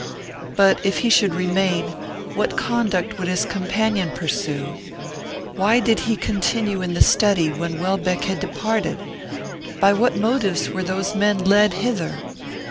But, if he should remain, what conduct would his companion pursue? Why did he continue in the study when Welbeck had departed? By what motives were those men led hither?